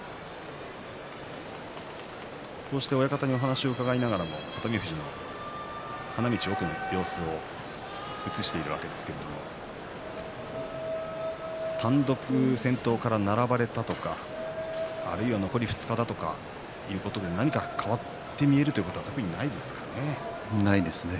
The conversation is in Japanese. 親方にお話を伺いながらも熱海富士の花道奥の様子も映しているわけですが単独先頭から並ばれたとかあるいは残り２日だとかということで何か変わって見えるとないですね。